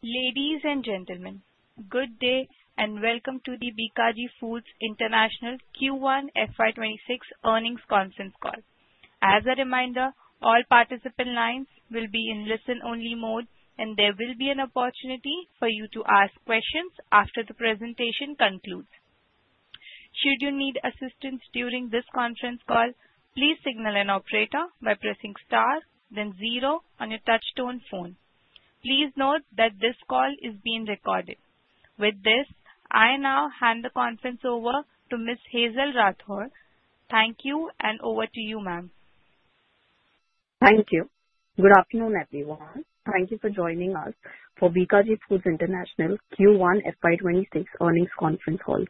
Ladies and gentlemen, good day and welcome to the Bikaji Foods International Q1FY26 earnings conference call. As a reminder, all participant lines will be in listen-only mode and there will be an opportunity for you to ask questions after the presentation concludes. Should you need assistance during this conference call, please signal an operator by pressing Star then zero on your touchtone phone. Please note that this call is being recorded. With this, I now hand the conference over to Ms. Hazel Rathor. Thank you, and over to you ma'am. Am. Thank you. Good afternoon everyone. Thank you for joining us for Bikaji Foods International Ltd Q1FY26 earnings conference call.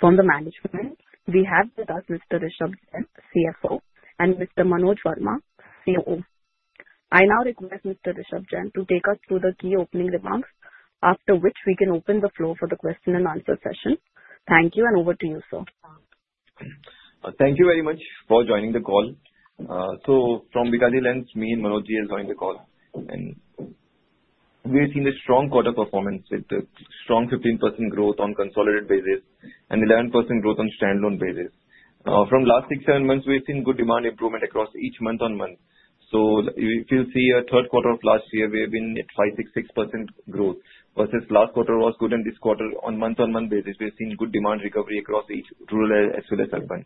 From the Management we have with us Mr. Rishabh Jain, CFO, and Mr. Manoj Verma, COO. I now request Mr. Rishabh Jain to take us through the key opening remarks, after which we can open the floor for the question and answer session. Thank you. Over to you sir. Thank you very much for joining the call. So from Bikaji lens, me and Manoj have joined the call and we have seen a strong quarter performance with strong 15% growth on consolidated basis and 11% growth on standalone basis. From last 6-7 months we've seen good demand improvement across each month on month. If you see third quarter of last year, we have been at 5-6, 6% growth versus last quarter was good and this quarter on month on month basis we have seen good demand recovery across each rural as well as urban.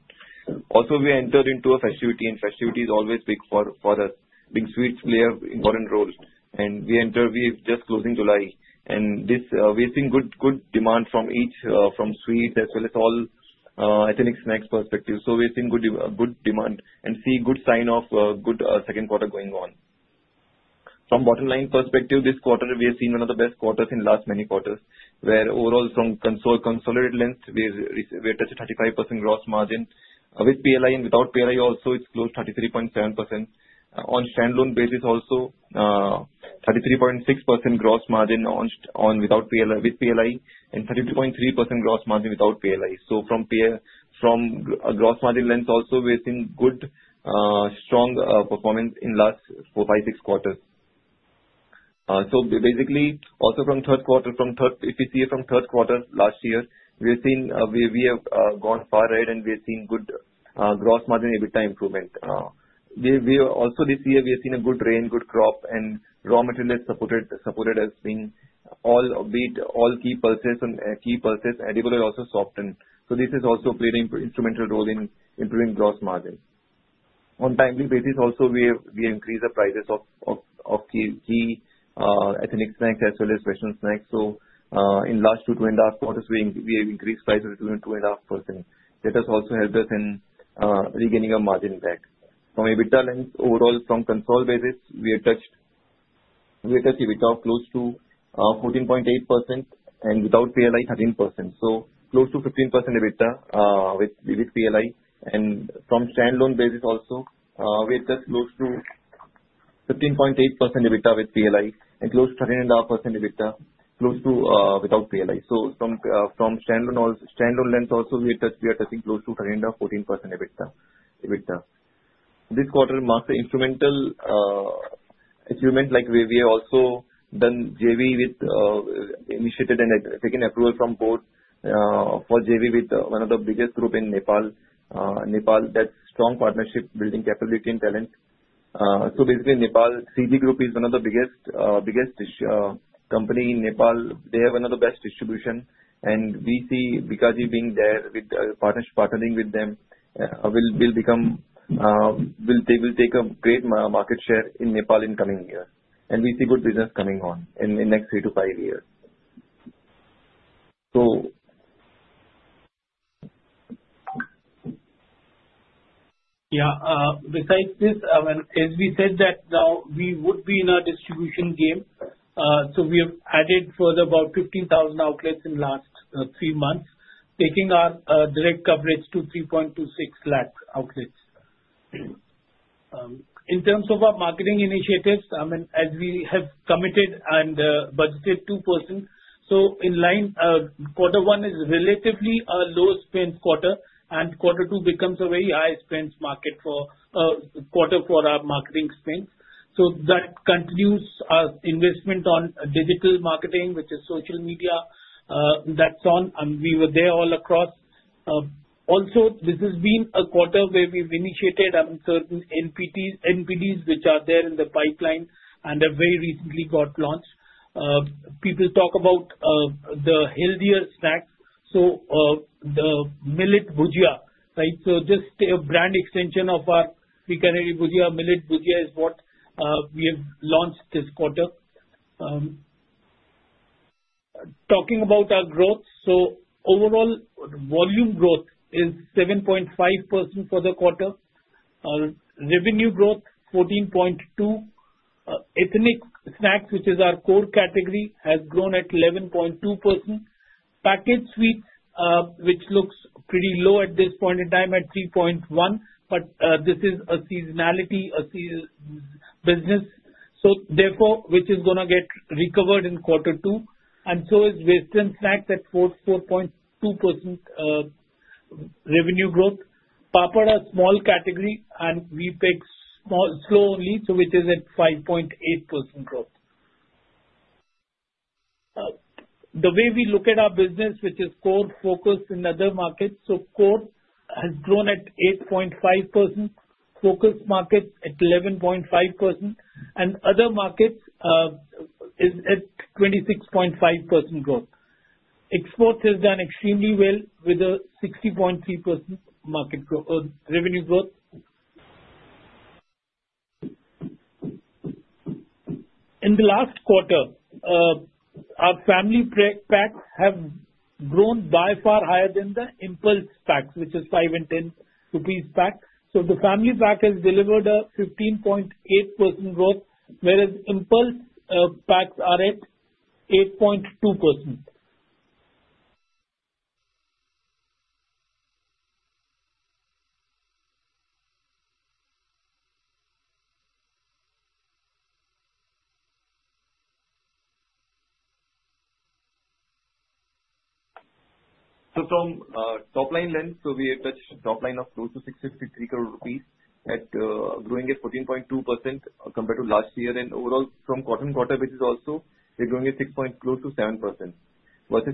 Also, we entered into a festivity and festivities always big for us. Being sweets play an important role and we enter, we just closing July and this we're seeing good demand from each from sweets as well as all ethnic snacks perspective. We're seeing good demand and see good sign of good second quarter going on. From bottom line perspective, this quarter we have seen one of the best quarters in last many quarters where overall from consolidated lens we touched a 35% gross margin with PLI and without PLI also it's closed 33.7% on standalone basis, also 33.6% gross margin launched on without PLI, with PLI and 32.3% gross margin without PLI. From gross margin lens also we've seen good strong performance in last 4-5-6 quarters. Basically, also from third quarter, if you see from third quarter last year, we have gone far ahead and we've seen good gross margin EBITDA improvement. Also, this year we have seen a good rain, good crop and raw material is supported as being all, be it all key purchase and key purchase edible has also softened. This has also played an instrumental role in improving gross margins on timely basis. Also, we increased the prices of key ethnic snacks as well as western snacks. In last two and a half quarters we have increased prices between 2-2.5%. That has also helped us in regaining our margin back. From EBITDA lens, overall from console basis we had touched EBITDA of close to 14.8% and without PLI 13%. Close to 15% EBITDA with PLI and from standalone basis also with just close to 15.8% EBITDA with PLI and close to 13.5% EBITDA without PLI. From standalone lens also we are touching close to 13-14% EBITDA. This quarter marks the instrumental achievement like we also done JV with, initiated and taken approval from both for JV with one of the biggest group in Nepal, Nepal, that strong partnership building capability and talent. Basically, Nepal CG Group is one of the biggest, biggest company in Nepal. They have another best distribution and we see Bikaji being there with partnering with them, they will take a great market share in Nepal in coming years and we see good business coming on in next three to five years. Yeah, besides this, as we said that now we would be in our distribution game. We have added further about 15,000 outlets in the last three months, taking our direct coverage to 3.26 lakh outlets. In terms of our marketing initiatives, as we have committed and budgeted 2%, quarter one is relatively a low spend quarter and quarter two becomes a very high spend market for our marketing spends. That continues our investment on digital marketing, which is social media, that's on and we were there all across. Also, this has been a quarter where we've initiated certain NPDs which are there in the pipeline and have very recently got launched. People talk about the healthier snacks, so the Millet Bhujia, just a brand extension of our Millet Bhujia, is what we have launched this quarter talking about our growth. Overall, volume growth is 7.5% for the quarter. Revenue growth is 14.2%. Ethnic snacks, which is our core category, has grown at 11.2%. Packaged sweets, which looks pretty low at this point in time at 3.1%, but this is a seasonality business, so that is going to get recovered in quarter two, and so is western snacks at 44.2% revenue growth. Papad, a small category, and we pick slow only, so it is at 5.8% growth. The way we look at our business, which is core focused in other markets, core has grown at 8.5%, focused markets at 11.5%, and other markets is at 26.5% growth. Exports has done extremely well with a 60.3% market revenue growth in the last quarter. Our family packs have grown by far higher than the impulse packs, which is 5 and 10 rupees pack. The family pack has delivered a 15.8% growth, whereas impulse packs are at 8.2%. From top-line length, we have touched top-line of close to 653 crore rupees, growing at 14.2% compared to last year, and overall from quarter-on-quarter, which is also we're growing at 6 point close to 7%, versus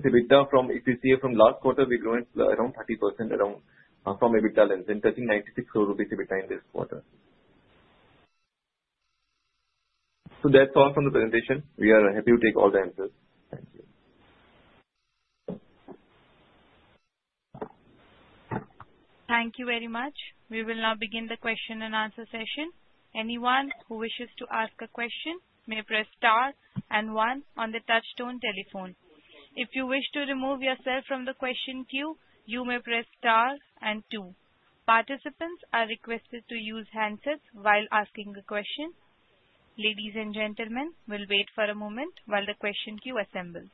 EBITDA from if you see from last quarter, we grow around 30% around from EBITDA lens and touching INR 96 crore EBITDA in this quarter. That's all from the presentation. We are happy to take all the answers. Thank you. Thank you very much. We will now begin the question and answer session. Anyone who wishes to ask a question may press star and one on the touch tone telephone. If you wish to remove yourself from the question queue, you may press star and two. Participants are requested to use handsets while asking a question. Ladies and gentlemen, we will wait for a moment while the question queue assembles.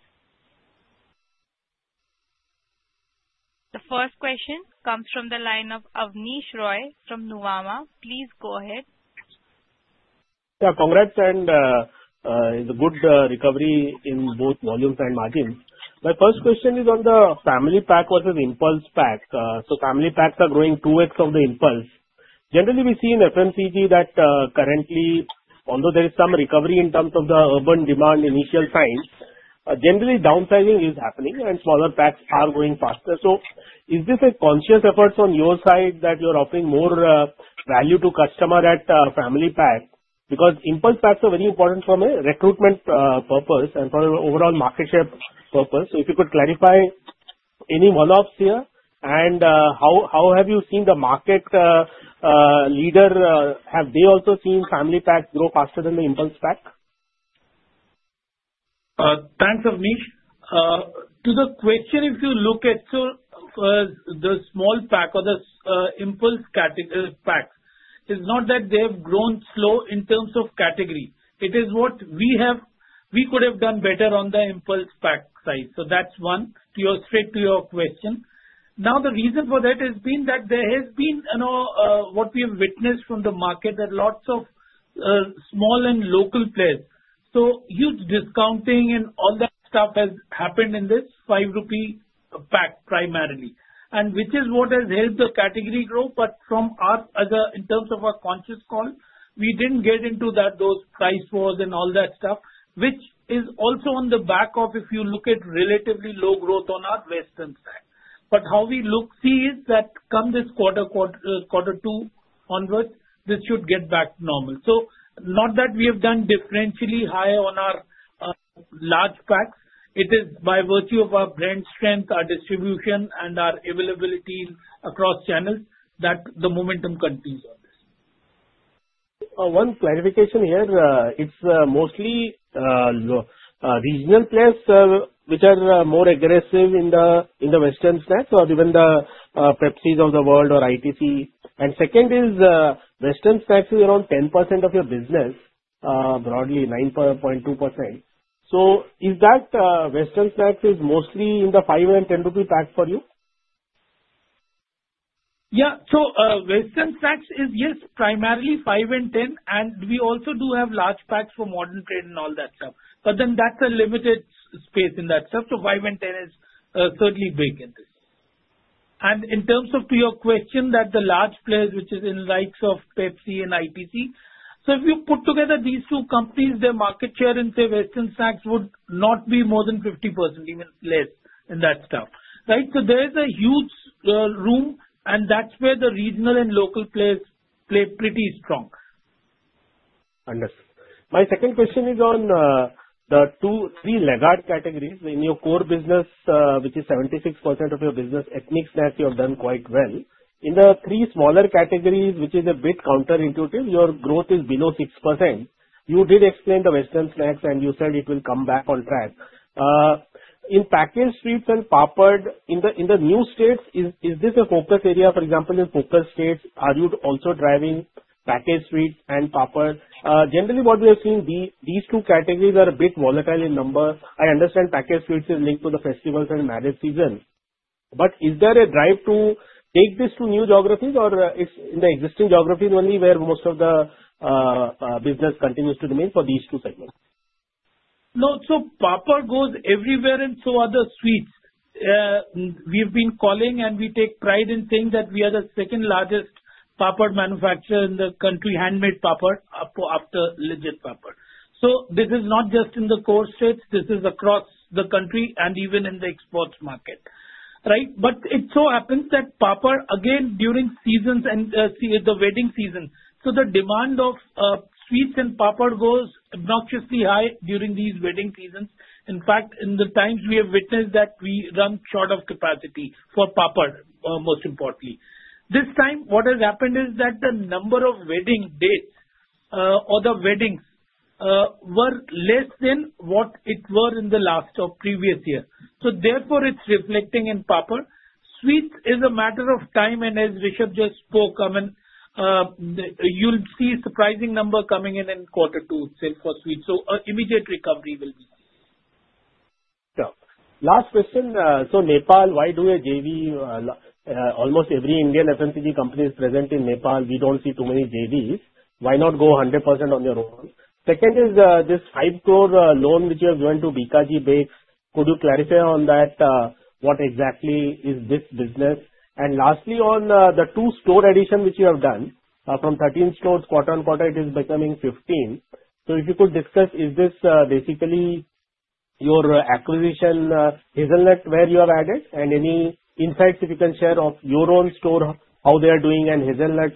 The first question comes from the line of Avnish Roy from Nuvama. Please go ahead. Congrats and good recovery in both volumes and margins. My first question is on the family pack versus impulse pack. Family packs are growing 2x of the impulse. Generally, we see in FMCG that currently, although there is some recovery in terms of the urban demand, initial sign generally downsizing is happening and smaller packs are going faster. Is this a conscious effort on your side that you're offering more value to customer at family package? Impulse packs are very important from a recruitment purpose and for overall market share purpose. If you could clarify any wallops here and how have you seen the market leader, have they also seen family pack grow faster than the impulse pack? Thanks, Avnish, to the question. If you look at the small pack or the impulse pack, it is not that they have grown slow in terms of category, it is what we have. We could have done better on the impulse pack side. That's one straight to your question. The reason for that has been that what we have witnessed from the market, there are lots of small and local players, so huge discounting and all that stuff has happened in this 5 rupee pack primarily, which is what has helped the category grow. In terms of our conscious call, we didn't get into that, those price wars and all that stuff, which is also on the back of, if you look at relatively low growth on our western side. How we look at it is that come this quarter two onwards, this should get back to normal. Not that we have done differentially higher on our large packs. It is by virtue of our brand strength, our distribution, and our availability across channels that the momentum continues. One clarification here, it's mostly regional players which are more aggressive in the western snacks or even the Pepsis of the world or ITC. Second is western snacks is around 10% of your business, broadly 9.2%. Is that western snacks is mostly in the 5 and 10 rupee pack for you? Yeah. Western snacks is, yes, primarily 5 and 10. We also do have large packs for modern trade and all that stuff, but that's a limited space in that. INR 5 and 10 is certainly big in this. In terms of your question, the large players, which is in likes of Pepsi and ITC, if you put together these two companies, their market share in, say, western snacks would not be more than 50%, even less in that. There is a huge room and that's where the regional and local players play pretty strong. Understood. My second question is on the two, three laggard categories in your core business, which is 76% of your business, ethnic snack. You have done quite well in the three smaller categories, which is a bit counterintuitive. Your growth is below 6%. You did explain the western snacks and you said it will come back on track in packaged sweets and papad in the new states. Is this a focus area? For example, in focus states are you also driving packaged sweets and papad generally? What we have seen, these two categories are a bit volatile in numbers. I understand packaged sweets is linked to the festivals and marriage season. Is there a drive to take this to new geographies or is it in the existing geographies only where most of the business continues to remain for these two segments? No. Papad goes everywhere and so do the sweets. We have been calling and we take pride in saying that we are the second largest papad manufacturer in the country, handmade papad after Lijjat Papad. This is not just in the core states, this is across the country and even in the exports market. It so happens that papad again, during seasons and the wedding season, the demand of sweets and papad goes obnoxiously high during these wedding seasons. In fact, in the times we have witnessed that we run short of capacity for papad. Most importantly, this time what has happened is that the number of wedding dates or the weddings were less than what it was in the last or previous year. Therefore, it's reflecting in papad. Sweets is a matter of time, and as Rishabh just spoke, you'll see surprising numbers coming in in quarter two sales for sweets. An immediate recovery will be seen. Last question, so Nepal, why do a joint venture? Almost every Indian FMCG company is present in Nepal. We don't see too many joint ventures. Why not go 100% on your own? Second, is this 5 crore loan which you have given to Bikaji Bakes. Could you clarify on that? What exactly is this business? Lastly, on the two store addition which you have done, from 13 stores quarter on quarter it is becoming 15. If you could discuss, is this basically your acquisition Hazelnut where you have added, and any insights if you can share of your own store, how they are doing, and Hazelnut,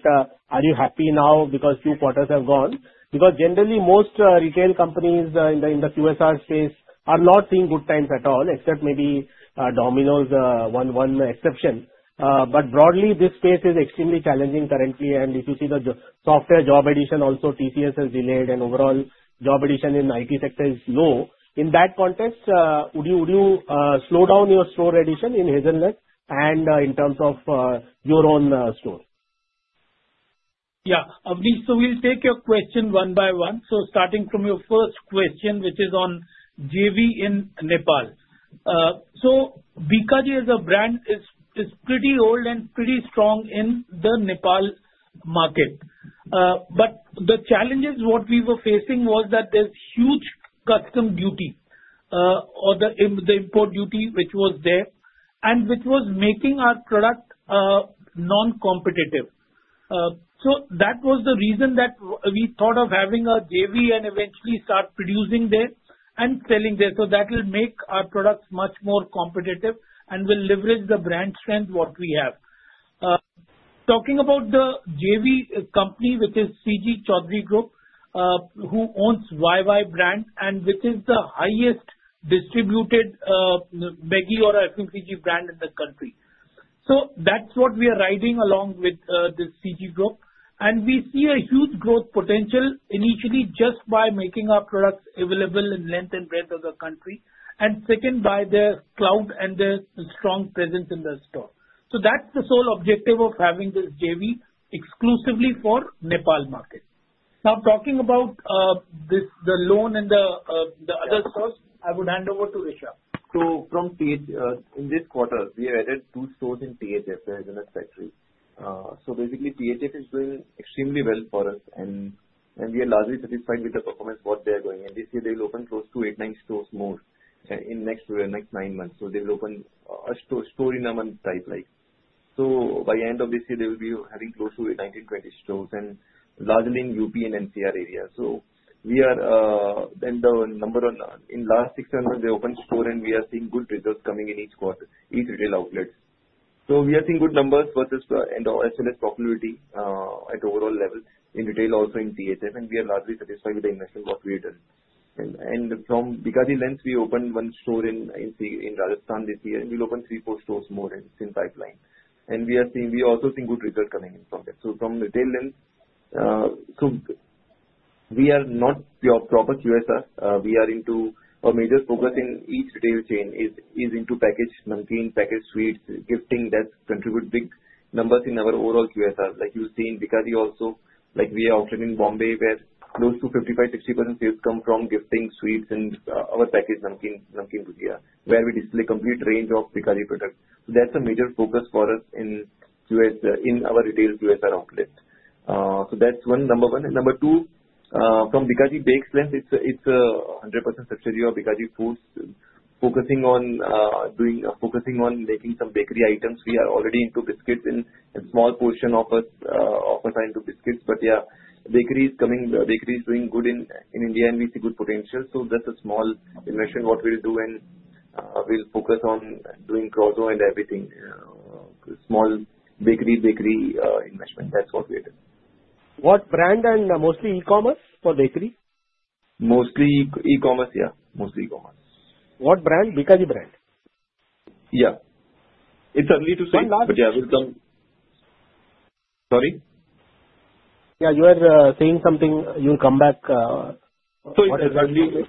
are you happy now because few quarters have gone? Generally, most retail companies in the QSR space are not seeing good times at all except maybe Domino's, one exception. Broadly this space is extremely challenging currently, and if you see the software job addition also, TCS has delayed and overall job addition in IT sector is low. In that context, would you slow down your store addition in Hazelnut and in terms of your own store? Yeah, Avneet. We'll take your question one by one. Starting from your first question, which is on the joint venture in Nepal. Bikaji as a brand is pretty old and pretty strong in the Nepal market. The challenges we were facing were that there's huge custom duty or the import duty, which was there and which was making our product non-competitive. That was the reason that we thought of having a joint venture and eventually start producing there and selling there. That will make our products much more competitive and will leverage the brand strength we have. Talking about the joint venture company, which is CG Group, who owns YY brand and which is the highest distributed FMCG brand in the country, that's what we are riding along with the CG Group. We see a huge growth potential initially just by making our products available in length and breadth of the country, and second by their clout and their strong presence in the store. That's the sole objective of having this joint venture exclusively for the Nepal market. Now, talking about the loan and the other stores, I would hand over to Isha. In this quarter we have added two stores in the Hazelnut Factory. Basically, Hazelnut Factory is doing extremely well for us and we are largely satisfied with the performance they are delivering. They say they will open close to eight or nine more stores in the next nine months. They will open a store a month, so by the end of this year they will be having close to 19 or 20 stores, largely in UP and NCR area. In the last 6:00, they opened a store and we are seeing good results coming in each quarter, each retail outlet. We are seeing good numbers versus popularity at the overall level in retail, also in Hazelnut Factory, and we are largely satisfied with the investment we made. From Bikaji length, we opened one store in Rajasthan this year and we'll open three or four more stores, with more in the pipeline. We also see good results coming in from that from a retail lens. We are not your proper QSR; our major focus in each retail chain is on packaged sweets and gifting. That contributes big numbers in our overall QSR, like you see in Bikaji. Also, we are offering in Bombay where close to 55% to 60% of sales come from gifting sweets and our packaged range where we display the complete range of Bikaji products. That's a major focus for us in our retail QSR outlet. That's number one. Number two, from Bikaji Bakes length, it's a 100% subsidiary focusing on making some bakery items. We are already into biscuits and a small portion of us are into biscuits, but bakery is doing good in India and we see good potential. That's a small investment we will do and we'll focus on doing CRO and everything, small bakery, bakery investment. That's what we did. What brand and mostly e-commerce for bakery. Mostly e-commerce. Yeah, mostly e-commerce. What brand? Bikaji brand. Yeah, it's early to say, sorry. Yeah, you are saying something. You'll come back. Of course, it's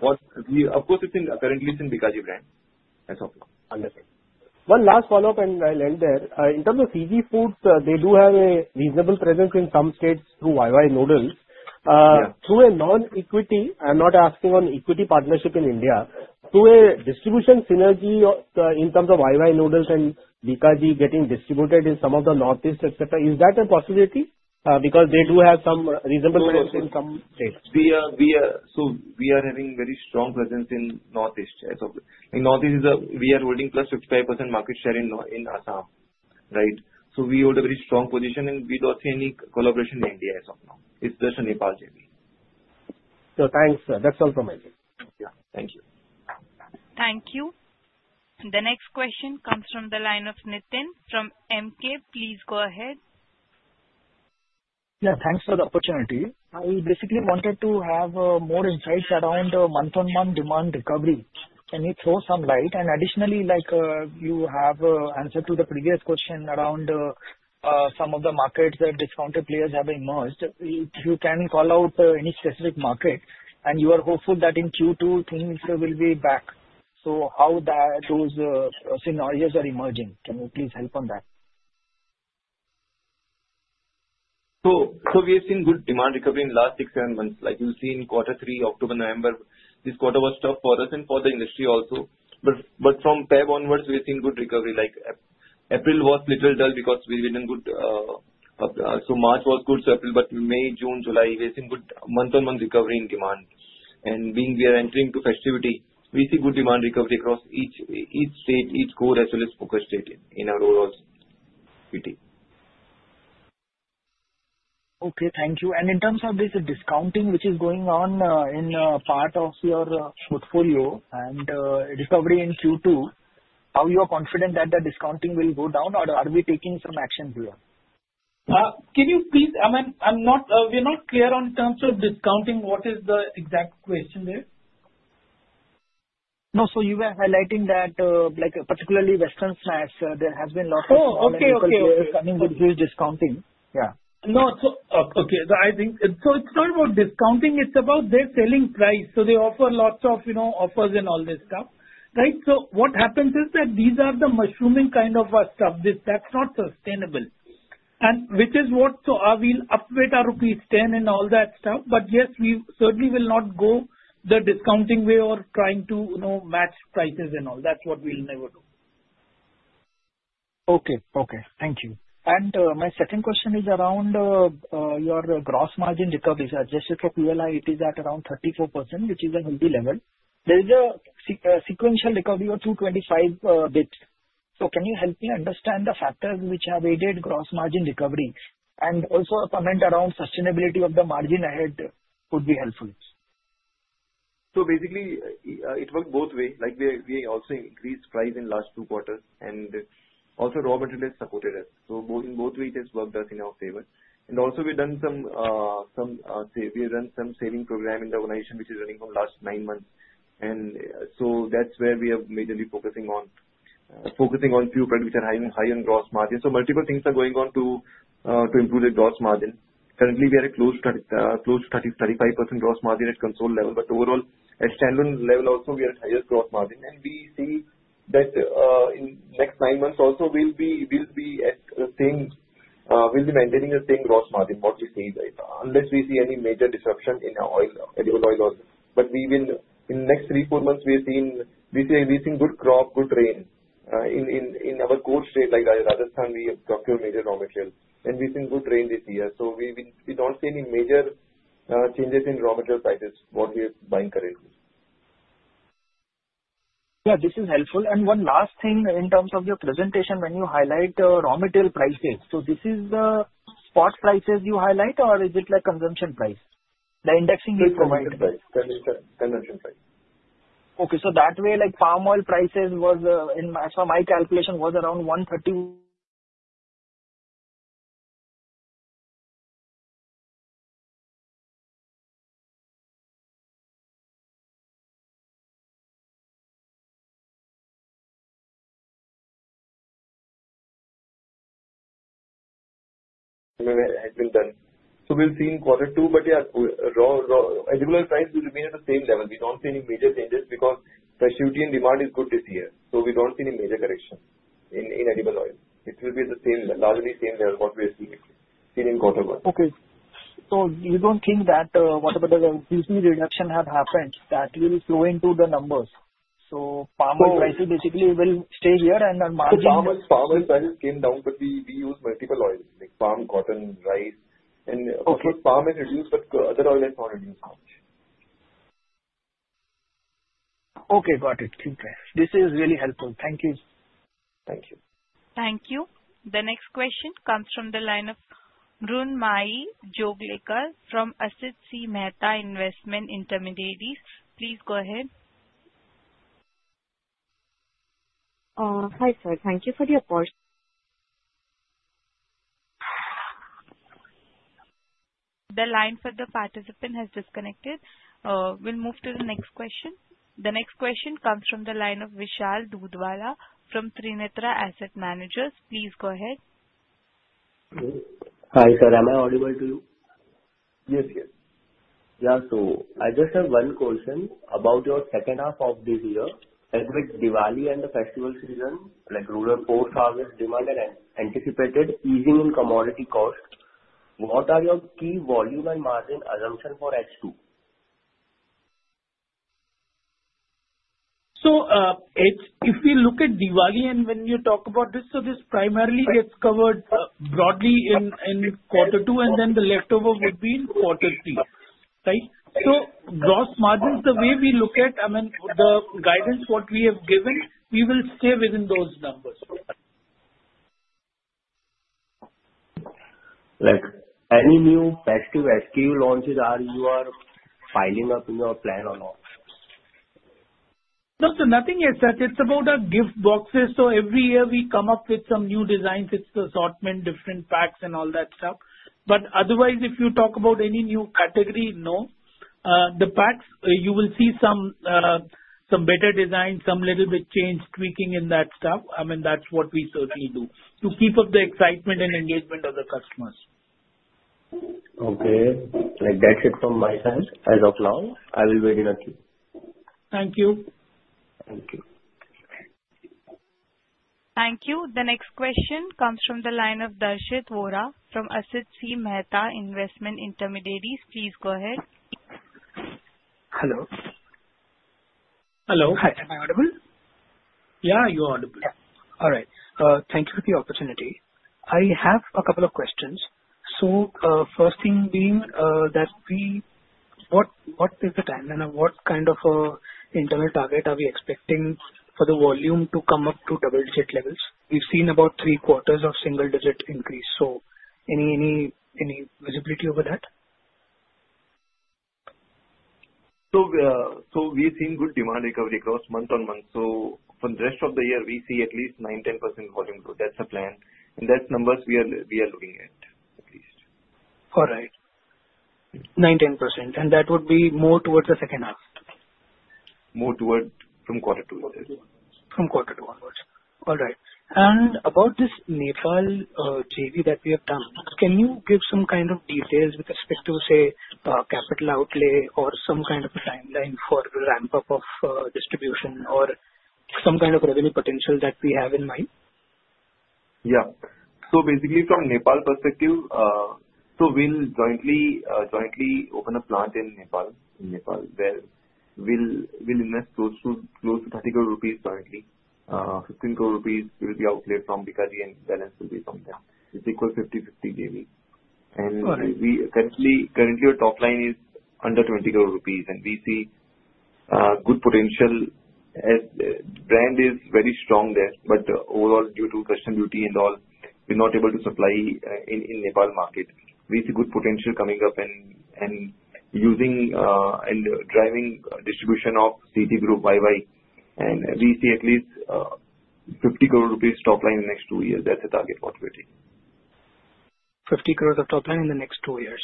in. Currently, it's in Bikaji brand. One last follow up and I'll end there. In terms of CG Group, they do have a reasonable presence in some states through YY noodles. Through a non-equity, I'm not asking on equity partnership in India, to a distribution synergy in terms of YY noodles and Bikaji getting distributed in some of the Northeast, is that a possibility? Because they do have some reasonable. We are having very strong presence in Northeast. We are holding plus 55% market share in Assam. We hold a very strong position and we don't see any collaboration in India as of now, it's just a Nepal joint venture. Thanks, that's all from my view. Yeah, thank you. Thank you. The next question comes from the line of Nitin from MK. Please go ahead. Yeah, thanks for the opportunity. I basically wanted to have more insights around month-on-month demand recovery. Can you throw some light, and additionally, like you have answered the previous question around some of the markets that discounted players have emerged, you can call out any specific market and you are hopeful that in Q2 things will be back. How are those scenarios emerging, can you please help on that? We have seen good demand recovery in the last six, seven months. Like you've seen quarter three, October, November. This quarter was tough for us and for the industry also. From February onwards we've seen good recovery. April was a little dull because we didn't do good, so March was good. April, but May, June, July we're seeing good month-on-month recovery in demand and being we are entering into festivity, we see good demand recovery across each state, each core as well as focus state in our overall city. Okay, thank you. In terms of this discounting which is going on in part of your portfolio and recovery in Q2, how are you confident that the discounting will go down or are we taking some action here? Can you please. I'm not, we're not clear on terms of discounting. What is the exact question there? No. You were highlighting that, like particularly western snacks, there has been lots of huge discounting. Yeah, not okay. I think it's not about discounting, it's about their selling price. They offer lots of, you know, offers and all this stuff. Right. What happens is that these are the mushrooming kind of stuff. That's not sustainable and which is what. I will update our rupees 10 and all that stuff. Yes, we certainly will not go the discounting way or try to match prices and all. That's what we'll never do. Okay. Thank you. My second question is around your gross margin recovery. Adjusted for PLI it is at around 34% which is a healthy level. There is a sequential recovery of 225 bps. Can you help me understand the factors which have aided gross margin recovery? Also, a comment around sustainability of the margin ahead could be helpful. Basically it worked both ways. We also increased price in the last two quarters and also raw material has supported us. In both ways it has worked in our favor. We've done some, we run some saving program in the organization which is running from the last nine months. That's where we are majorly focusing on a few products which are having high-end gross margins. Multiple things are going on to improve the gross margin. Currently we are close to 35% gross margin at consolidated level. Overall at standalone level also we are at highest gross margin and we see that in the next nine months also we'll be maintaining the same gross margin. What we see, unless we see any major disruption in oil, edible oil. In the next three, four months, if we see anything, good crop, good rain in our core state like Rajasthan, we have procured major raw materials and we've seen good rain this year. We don't see any major changes in raw material prices for what we are buying currently. Yeah, this is helpful. One last thing, in terms of your presentation when you highlight raw material prices, is this the spot prices you highlight or is it like consumption price? The indexing, it provides convention price. Okay. That way, like palm oil prices was in, as for my calculation, was around 130. Has been done. We'll see in quarter two. Yeah, angular price will remain at the same level. We don't see any major changes because specialty and demand is good this year. We don't see any major correction in edible oil. It will be the same, largely same level, what we have seen in quarter one. Okay, you don't think that whatever the reduction has happened will flow into the numbers. Palm oil prices basically will stay. Here, palm oil prices came down, but we use multiple oils like palm, cotton, rice, and palm, and reduced, but other oil is not reduced. Okay, got it. This is really helpful. Thank you. Thank you. Thank you. The next question comes from the line of Run Mai Joglikar from Assetsi Mehta Investment Intermediaries. Please go ahead. Hi sir, thank you for the opportunity. The line for the participant has disconnected. We'll move to the next question. The next question comes from the line of Vishal Dudwala from Trinetra Asset Managers. Please go ahead. Hi sir, am I audible to you? Yes, yeah. I just have one question about. Your second half of this year. Every Diwali and the festival season, like rural ports, always demanded anticipated easing in commodity cost. What are your key volume and margin assumption for H2? If we look at Diwali and when you talk about this, this primarily gets covered broadly in quarter two, and the leftover would be in quarter three. Right. Gross margins, the way we look at, I mean the guidance what we have given, we will stay within those numbers. Like any new festive SKU launches, are you piling up in your plan or not? No sir, nothing as such. It's about our gift boxes. Every year we come up with some new designs. It's the assortment, different packs and all that stuff. Otherwise, if you talk about any new category, no, the packs, you will see some better design, some little bit change, tweaking in that stuff. I mean that's what we certainly do to keep up the excitement and engagement of the customers. Okay, that's it from my side as of now. I will wait in a queue. Thank you. Thank you. The next question comes from the line of Darshit Vora from Asit C Mehta Investment Intermediaries. Please go ahead. Hello. Hi. Am I audible? Yeah, you are audible. All right. Thank you for the opportunity. I have a couple of questions. The first thing being that what is the timeline, what kind of internal target are we expecting for the volume to come up to double digit levels? We've seen about three quarters of single digit increase. Any visibility over that? We have seen good demand recovery across month on month. For the rest of the year, we see at least 9-10% volume growth. That's the plan and that's numbers we are looking at at least. All right, 9, 10% and that would be more towards the second half. More from quarter two onwards. All right. About this Nepal joint venture that we have done, can you give some kind of details with respect to, say, capital outlay or some kind of timeline for ramp up of distribution or some kind of revenue potential that we have in mind? Yeah. Basically from Nepal perspective, we'll jointly open a plant in Nepal where we'll invest close to 30 crore rupees. Currently, 15 crore rupees will be outlayed from Bikaji and the balance will be something, it's equal 50-50 maybe. Currently, our top-line is under 20 crore rupees. We see good potential as the brand is very strong there. Overall, due to custom duty and all, we're not able to supply in the Nepal market. We see good potential coming up and using and driving distribution of CG Group YY. We see at least 50 crore top-line in the next two years. That's a target we're taking, 50 crore. 1000 crore of top-line in the next two years.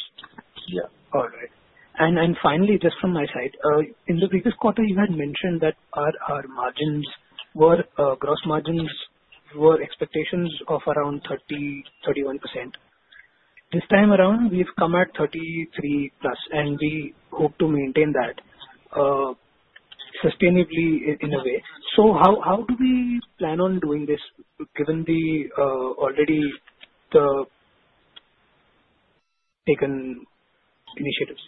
Yeah. All right. Finally, just from my side, in the previous quarter you had mentioned that our gross margins were expectations of around 30, 31%. This time around we've come at 33% plus and we hope to maintain that sustainably in a way. How do we plan on doing this given the already taken initiatives?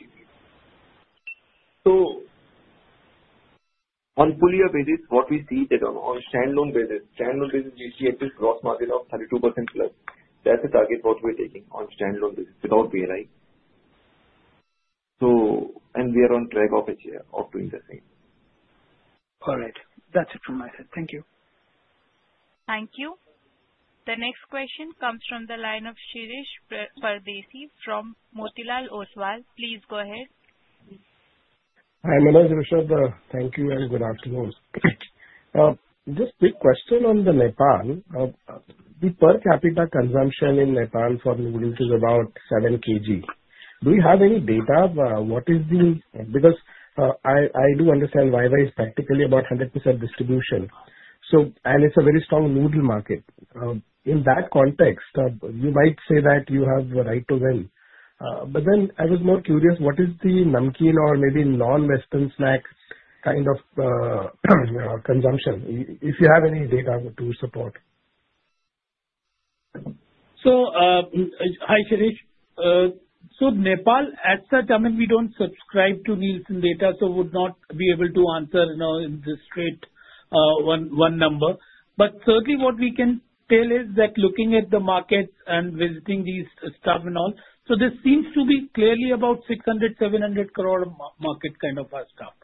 On full year basis, what we see that on standalone basis. Standalone basis you see at this gross margin of 32% plus, that's the target what we're taking on standalone basis without PLI. We are on track of doing the same. All right, that's it from my side. Thank you. Thank you. The next question comes from the line of Shirish Pardesi from Motilal Oswal. Please go ahead. Hi, Mama Dushab. Thank you and good afternoon. Just quick question on Nepal. The per capita consumption in Nepal for. Noodles is about 7 kg. Do you have any data? What is the, because I do understand Viber is practically about 100% distribution and it's a very strong noodle market. In that context you might say that you have the right to win. I was more curious, what is the namkeen or maybe non-western snack kind of consumption if you have any data to support. Hi Suresh. Nepal as such, I mean we don't subscribe to Nielsen data so would not be able to answer in this straight one number. Certainly what we can tell is that looking at the markets and visiting these stuff and all, this seems to be clearly about 600-700 crore market kind of stuff.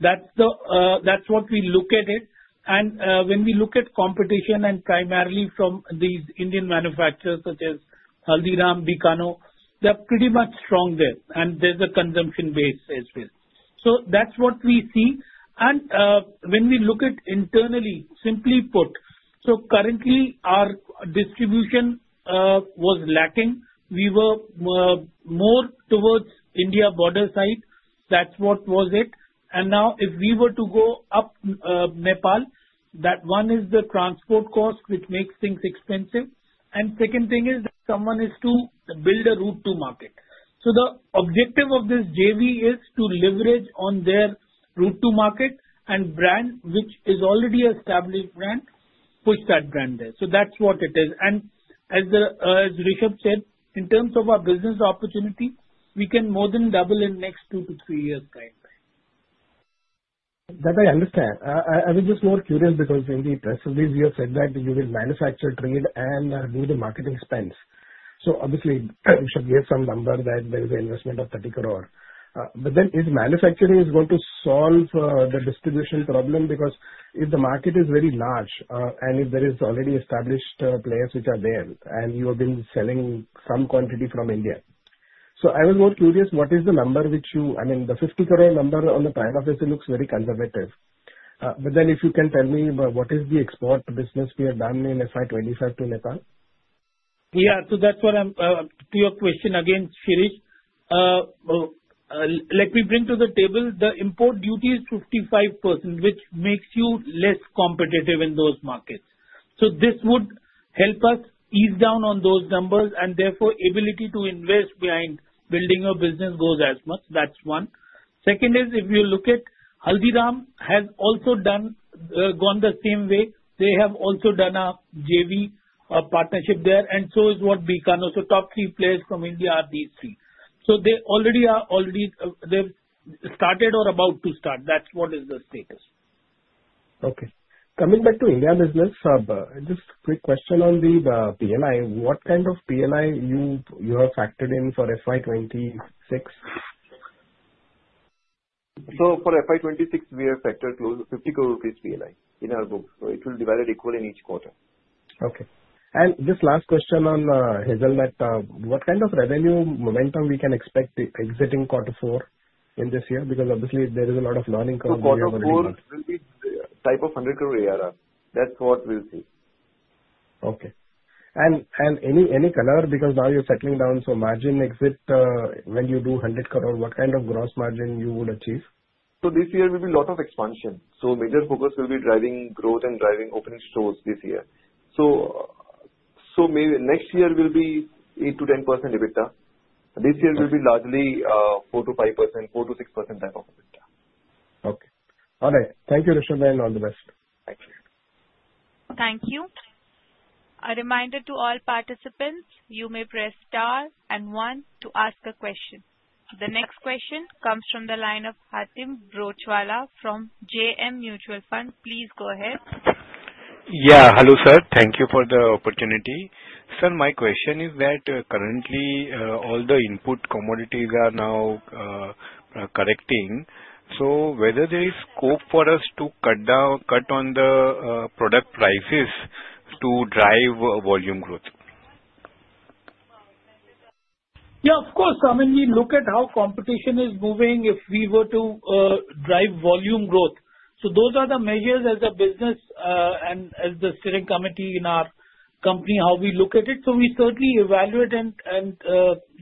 That's what we look at it. When we look at competition and primarily from these Indian manufacturers such as Haldiram, Bikano, they're pretty much strong there. There's a consumption base as well. That's what we see. When we look at internally, simply put, currently our distribution was lacking. We were more towards India border side, that's what was it. Now if we were to go up Nepal, that one is the transport cost which makes things expensive. The second thing is someone is to build a route to market. The objective of this joint venture is to leverage on their route to market and brand which is already established, push that brand there. That's what it is. As Rishabh said in terms of our business opportunity, we can more than double in next two to three years' time. That I understand. I was just more curious because in the press release you have said that you will manufacture, trade and do the marketing spends. Obviously you should give some number that there is an investment of 30 crore. Is manufacturing going to. Solve the distribution problem. Because if the market is very large, and if there are already established players which are there, and you have been selling some quantity from India. I was more curious what is the number which you. I mean the 50 crore number on the tier of essay looks very conservative. If you can tell me what is the export business we have done in FY25 to Nepal. Yeah. To your question again, Shirish, let me bring to the table, the import duty is 55% which makes you less competitive in those markets. This would help us ease down on those numbers and therefore ability to invest behind building a business goes as much. That's one. Second is if you look at Haldiram, they have also gone the same way. They have also done a joint venture partnership there and so has Bikano. The top three players from India are these three. They already have started or are about to start. That's what is the status. Okay, coming back to India business, just a quick question on the PLI. What kind of PLI have you factored in for FY26. For FY26 we have factored close to 50 crore rupees PLI in our book. It will divide equally in each quarter. Okay, this last question on Hazelnut Factory, what kind of revenue momentum we can. Expect exiting quarter four in this year because obviously there is a lot of learning coming. Type of 100 crore ARR. That's what we'll see. Okay. Any color because now you're settling down. Margin exit when you do 100 crore, what kind of gross margin you would achieve? This year will be a lot of expansion. The major focus will be driving growth and driving open stores this year. Maybe next year will be 8 to 10% EBITDA. This year will be largely 4 to 5%, 4 to 6% type of EBITDA. Okay. All right. Thank you, Rishabh, and all the best. Thank you. Thank you. A reminder to all participants, you may press star and one to ask a question. The next question comes from the line of Hatem Brochwala from JM Mutual Fund. Please go ahead. Yeah. Hello sir. Thank you for the opportunity. Sir, my question is that currently all the input commodities are now correcting. Is there scope for us to cut down on the product prices to drive volume growth? Yes, of course. I mean, we look at how competition is moving. If we were to drive volume growth, those are the measures as a business and as the steering committee in our company how we look at it. We certainly evaluate and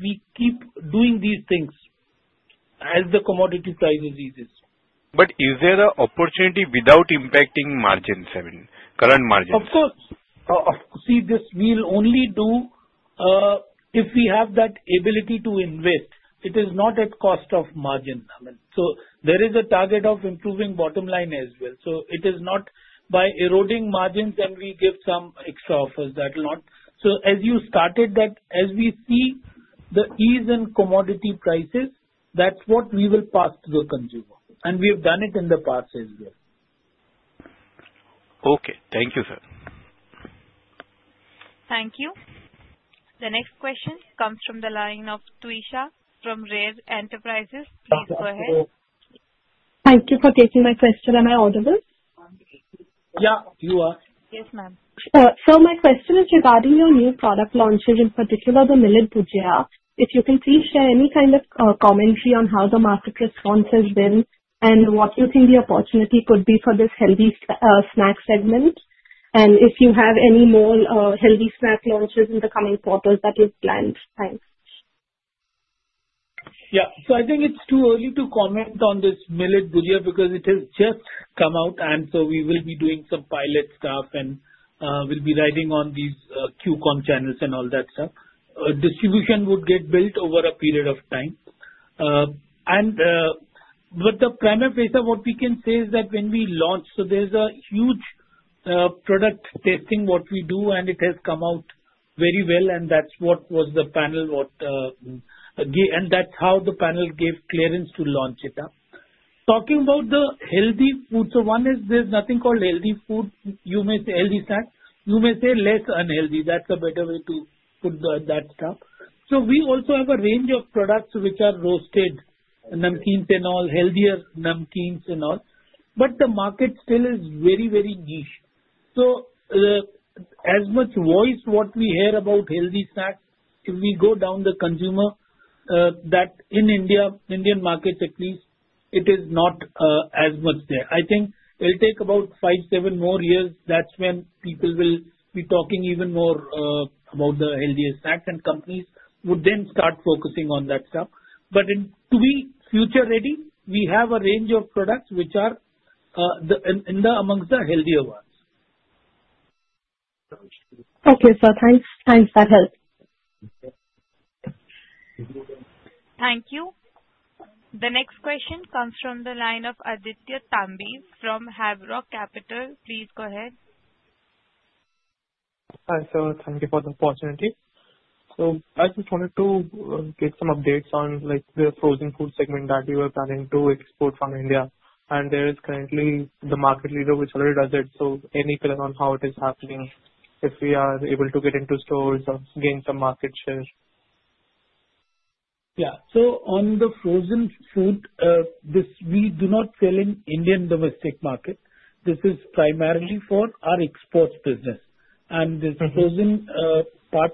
we keep doing these things as the commodity price eases. Is there an opportunity without impacting margin, current margin? We will only do this if we have that ability to invest. It is not at cost of margin. There is a target of improving bottom line as well. It is not by eroding margins and we give some extra offers that will not. As you started, as we see the ease in commodity prices, that's what we will pass to the consumer. We have done it in the past as well. Okay. Thank you, sir. Thank you. The next question comes from the line of Tuisha from Rare Enterprises. Please go ahead. Thank you for taking my question. Am I audible? Yeah, you are. Yes, ma'. Am. My question is regarding your new product launches, in particular the Millet Bhujia. If you can please share any kind of commentary on how the market response has been and what you think the opportunity could be for this healthy snack segment, and if you have any more healthy snack launches in the coming quarters that you've planned. Thanks. Yeah, I think it's too early to comment on this Millet Bhujia because it has just come out. We will be doing some pilot stuff and we'll be riding on these QCon channels and all that stuff. Distribution would get built over a period of time, but the primary pace of what we can say is that when we launch, there's a huge product testing what we do and it has come out very well. That's what was the panel and that's how the panel gave clearance to launch it up. Talking about the healthy food, one is there's nothing called healthy food. You may say healthy snack, you may say less unhealthy. That's a better way to put that stuff. We also have a range of products which are roasted, healthier, but the market still is very, very niche. As much voice what we hear about healthy snacks, if we go down the consumer, in Indian markets at least, it is not as much there. I think it will take about five, seven more years, that's when people will be talking even more about the healthiest snacks. Companies would then start focusing on that stuff. To be future ready, we have a range of products which are amongst the healthier ones. Okay, thanks. That helps. Thank you. The next question comes from the line of Aditya Tambi from Haverock Capital. Please go ahead. Hi sir. Thank you for the opportunity. I just wanted to get some updates on the frozen food segment that you are planning to export from India. There is currently the market leader which already does it. Any plan on how it is happening, if we are able to get into stores or gain some market share? Yeah. On the frozen food, we do not sell in the Indian domestic market. This is primarily for our exports business. This frozen part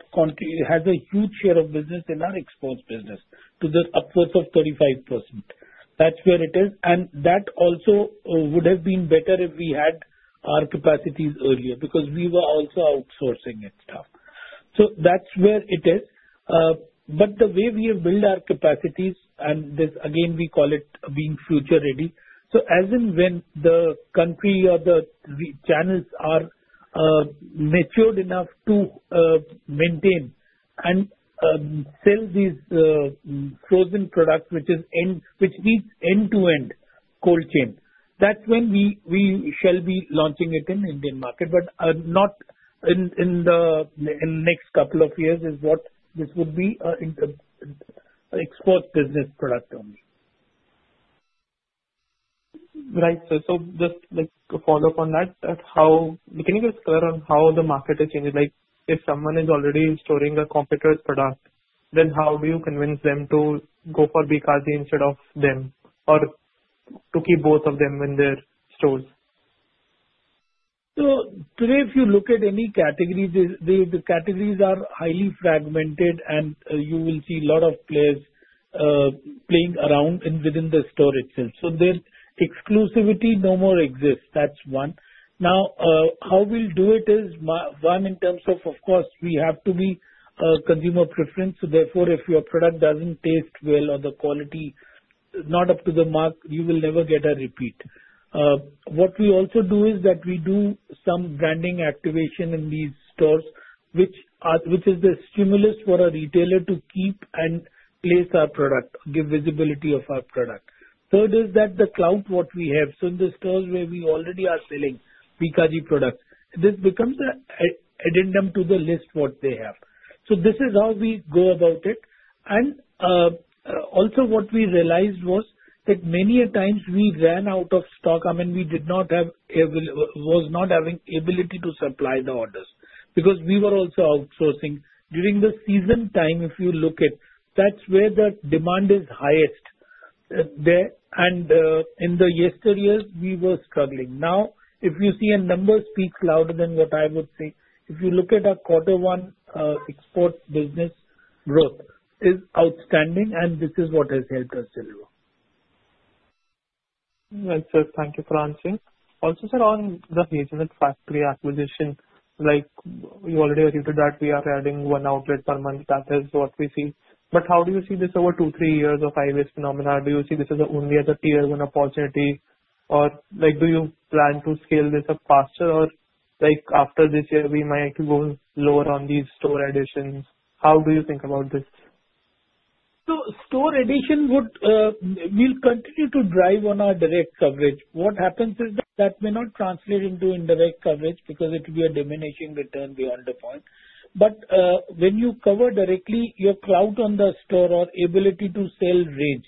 has a huge share of business in our exports business, to the upwards of 35%. That's where it is. That also would have been better if we had our capacities earlier because we were also outsourcing and stuff. That's where it is. The way we have built our capacities, and this again we call it being future ready. As and when the country or the channels are matured enough to maintain and sell these frozen products, which need end-to-end cold chain, that's when we shall be launching it in the Indian market. Not in the next couple of years is what this would be. Export business product. Right. Just a follow up on that. Can you guys clear on how the market is changing? If someone is already storing a competitor's product, then how do you convince them to go for Bikaji instead of them or to keep both of them in their stores? Today, if you look at any category, the categories are highly fragmented and you will see a lot of players playing around within the store itself. Their exclusivity no more exists. That's one. How we'll do it is, one, in terms of course we have to be consumer preference. Therefore, if your product doesn't taste well or the quality is not up to the mark, you will never get a repeat. What we also do is that we do some branding activation in these stores, which is the stimulus for a retailer to keep and place our product, give visibility of our product. Third is the clout we have. In the stores where we already are selling Bikaji products, this becomes an addendum to the list they have. This is how we go about it. Also, what we realized was that many a times we ran out of stock. I mean, we did not have the ability to supply the orders because we were also outsourcing during the season time. If you look at it, that's where the demand is highest. In the yesteryear we were struggling. Now, if you see, numbers speak louder than what I would say. If you look at our quarter one export business growth, it is outstanding. This is what has helped us. Right, sir. Thank you for answering. Also, sir, on the Hazelnut Factory acquisition, like you already agree to that, we are adding one outlet per month. That is what we see. How do you see this over 2, 3 years of highways phenomena? Do you see this only as. A tier one opportunity? Or do you plan to scale this up faster? Or after this year we might go lower on these store additions? How do you think about this? Store addition would continue to drive on our direct coverage. What happens is that may not translate into indirect coverage because it will be a diminishing return beyond the point. When you cover directly, your clout on the store or ability to sell range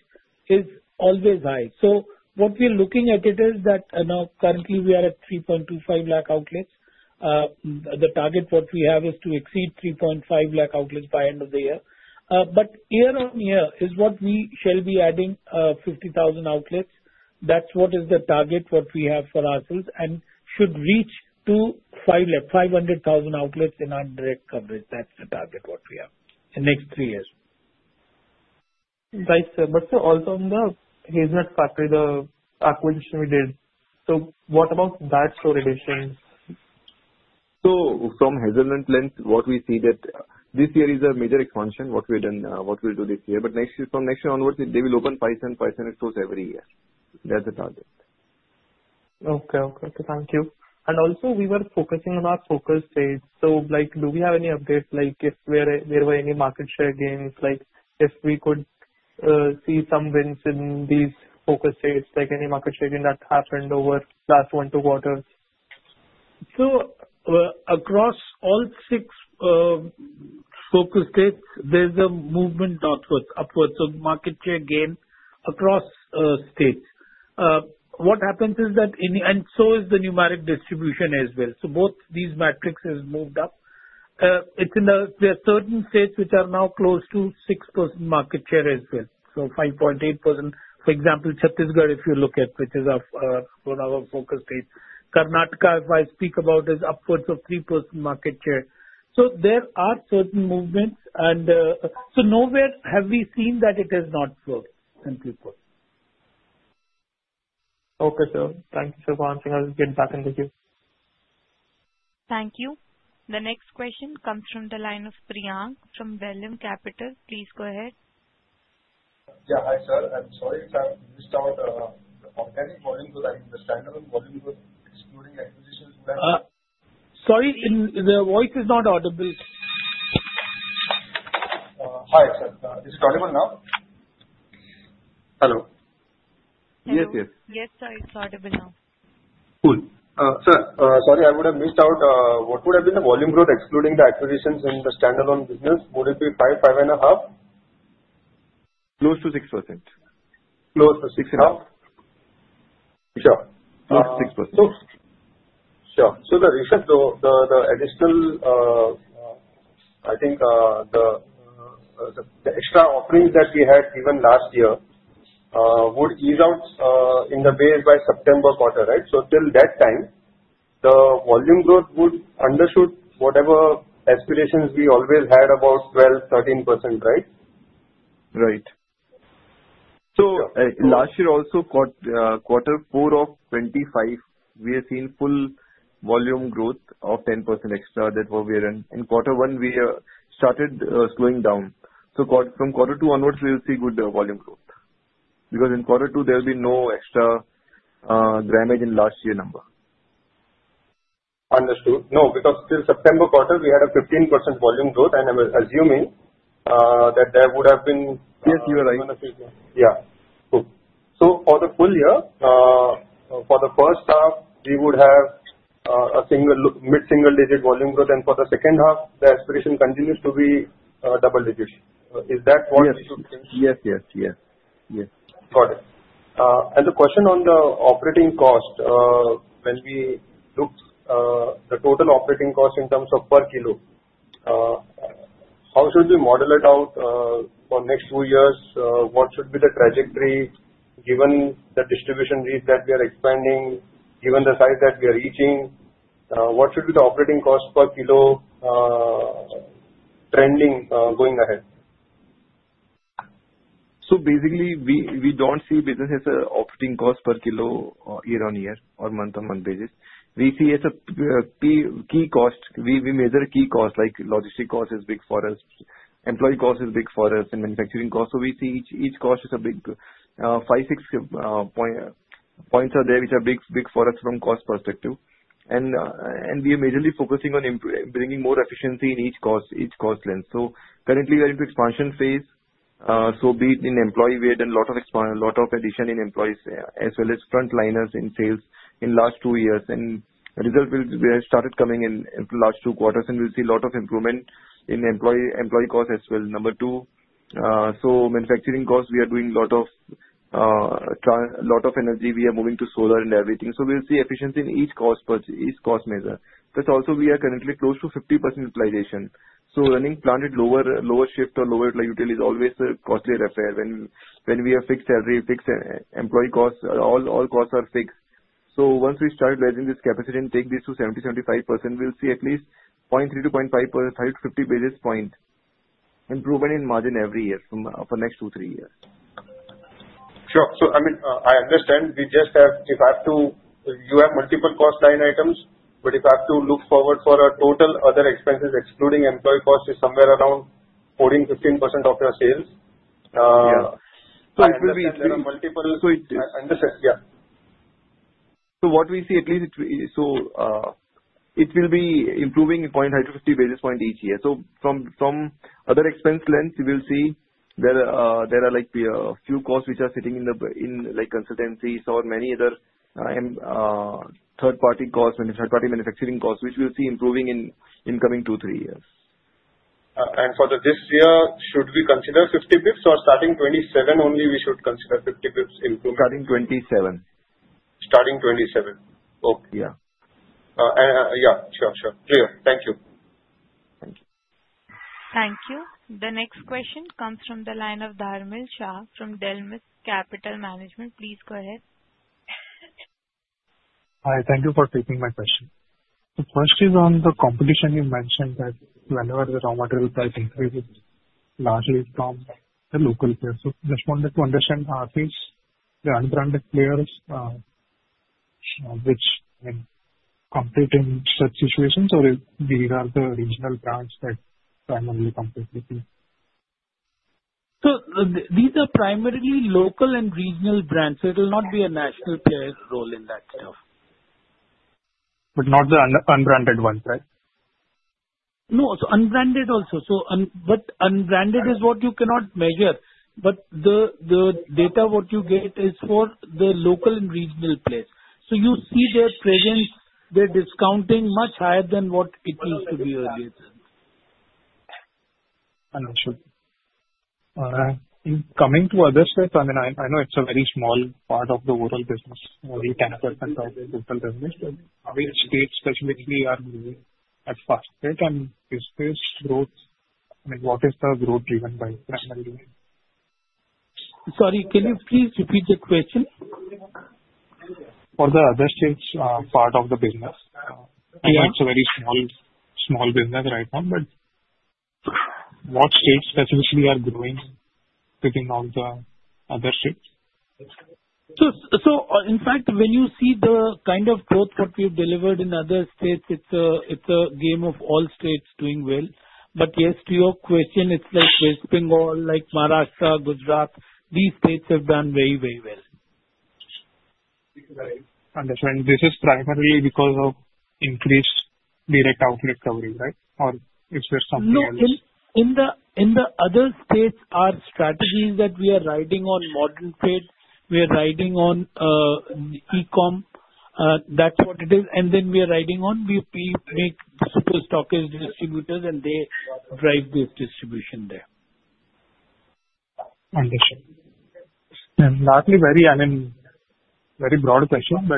is always high. What we are looking at is that currently we are at 3.25 lakh outlets. The target we have is to exceed 3.5 lakh outlets by end of the year. Year on year we shall be adding 50,000 outlets. That is the target we have for ourselves and should reach 500,000 outlets in our direct coverage. That is the target we have in the next three years. Also, on the Hazelnut Factory, the acquisition we did. What about that addition? From Hazelnut Factory what we see is that this year is a major expansion. What we've done, what we'll do this year, from next year onwards they will open Hazelnut Factory stores every year. Thank you. We were focusing on our focus stage. Do we have any updates, like if there were any market share gains, if we could see some? Wins in these focus states. Like any market share gain that happened over the last one or two quarters, across all six focus states there's a movement northwards, upwards of market share gain across states. What happens is that the numeric distribution as well, both these metrics have moved up. There are certain states which are now close to 6% market share as well. For example, 5.8% in Chhattisgarh if you look at it, which is focused. Karnataka, if I speak about, is upwards of 3% market share. There are certain movements and nowhere have we seen that it has not flowed. Simply put. Okay, so thank you sir for answering. I'll get back in the queue. Thank you. The next question comes from the line of Priyank from Belem Capital. Please go ahead. Yeah, hi sir, I'm sorry if I missed out. Organic volume, the standard volumes of excluding acquisitions. Sorry, the voice is not audible. Hi sir, is it audible now? Hello? Yes. Yes. Yes sir, it's audible now. Cool, sir, sorry, I would have missed out. What would have been the volume growth excluding the acquisitions in the standalone business, would it be 5, 5.5%? Close to 6%? Close to 6.5%, sure. The refresh though, the additional, I think the extra offerings that we had even last year would ease out in the base by September quarter. Right. Till that time the volume growth would undershoot whatever aspirations we always had about 12, 13%. Right, right. Last year also quarter four of 2025, we have seen full volume growth of 10% extra that were in quarter one we started slowing down. From quarter two onwards we will see good volume growth because in quarter two there will be no extra damage in last year number. Understood. No, because till September quarter we had a 15% volume growth and I'm assuming that there would have been. Yes, you are right. Yeah. For the full year, for the first half we would have a mid single digit volume growth and for the second half the aspiration continues to be double digits. Is that what. Yes, yes, yes, yes. Got it. The question on the operating cost, when we looked at the total operating cost in terms of per kilo, how should we model it out for next few years, what should be the trajectory given the distribution reach that we are expanding, given the size that we are reaching, what should be the operating cost per kilo trending, going ahead. Basically we don't see business as operating cost per kilo year on year or month on month basis. We see as a key cost, we measure key cost like logistic cost is big for us, employee cost is big for us and manufacturing cost. We see each cost is a big five, six points are there which are big for us from cost perspective. We are majorly focusing on bringing more efficiency in each cost, each cost length. Currently we are into expansion phase, be it in employee. We had a lot of expand, a lot of addition in employee space as well as frontliners in sales in last two years and result started coming in last two quarters and we'll see a lot of improvement in employee cost as well. Number two. Manufacturing cost, we are doing a lot of energy. We are moving to solar and everything. We'll see efficiency in each cost measure. We are currently close to 50% utilization. Running plant at lower, lower shift or lower utility is always a costly affair when we have fixed salary, fixed employee costs, all costs are fixed. Once we start leveraging this capacity and take this to 70-75%, we'll see at least 0.3 to 0.50 basis point improvement in margin every year for the next two to three years. I understand you have multiple cost line items, but if I have to look forward for total other expenses excluding employee cost, it is somewhere around 15% of your sales. What we see is that it will be improving by 0.50 basis point each year. From other expense lengths, you will see there are a few costs which are sitting in consultancies or many other third-party costs and third-party manufacturing costs, which we'll see improving in the coming two to three years. For this year, should we consider 50 bps or starting 2027 only? We should consider 50 bps improvement starting 2027. Starting 2027. Okay. Yeah, sure, clear. Thank you. Thank you. The next question comes from the line of Dharmil Shah from Delmit Capital Management. Please go ahead. Hi, thank you for taking my question. The first is on the competition. You mentioned that whenever the raw material price increases largely from the local players. Just wanted to understand, are these the unbranded players which compete in such situations or these are the regional brands. That primarily compete with you. These are primarily local and regional brands. It will not be a national. Player role in that stuff. Not the unbranded ones, right? No. Unbranded also. Unbranded is what you cannot measure, but the data you get is for the local and regional place. You see their presence, they're discounting much higher than what it used to be earlier. Coming to other steps, I know it's a very small part of. The overall business, only 10% of total business. Which states specifically are MO at FAST and business growth? What is the growth driven by primarily? Sorry, can you please repeat the question for the other states? Part of the business. It's a very small, small business right now. What states specifically are growing within all the other states? In fact, when you see the kind of growth we've delivered in other states, it's a game of all states doing well. Yes, to your question, it's like West Bengal, like Maharashtra, Gujarat. These states have done very, very well. Understand this is primarily because of increased direct outlet coverage, right? Is there something in the other states, our strategies that we are riding on modern trade, we are riding on E Com, that's what it is. We are riding on BP make super stockage distributors and they drive this distribution there. I mean, very broad question.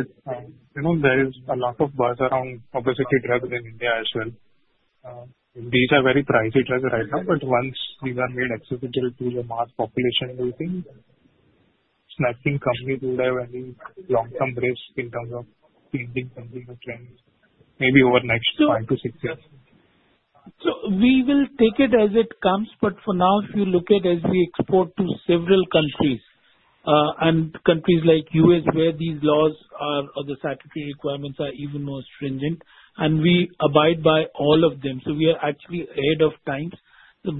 There is a lot. Of buzz around obesity drugs in India as well. These are very pricey drugs right now. Once these are made accidental to the mass population, snacking companies would have any long-term risk in terms of trends maybe over the next five to six years. We will take it as it comes. For now, if you look at as we export to several countries and countries like the U.S. where these laws or the statutory requirements are even more stringent and we abide by all of them, we are actually ahead of times. If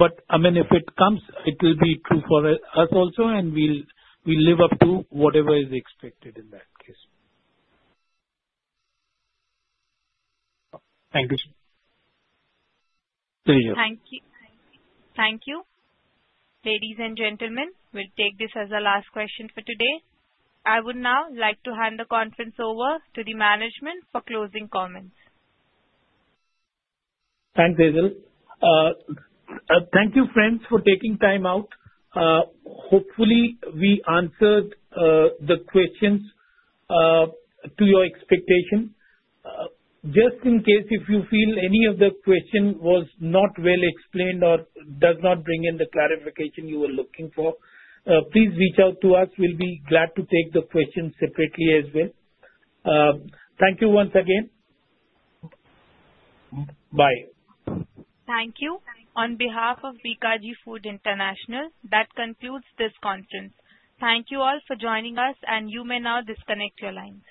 it comes, it will be true for us also. We live up to whatever is expected. In that case. Thank you, sir. Thank you. Thank you, ladies and gentlemen. We'll take this as the last question for today. I would now like to hand the conference over to the Management for closing comments. Thanks, Dajal. Thank you, friends, for taking time out. Hopefully, we answered the questions to your expectation. Just in case you feel any of the questions was not well explained or does not bring in the clarification you were looking for, please reach out to us. We'll be glad to take the questions separately as well. Thank you once again. Bye. Thank you on behalf of Bikaji Foods International Ltd. That concludes this conference. Thank you all for joining us. You may now disconnect your lines.